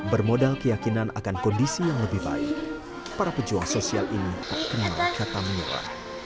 bermodal keyakinan akan kondisi yang lebih baik para pejuang sosial ini kena kata menyuruh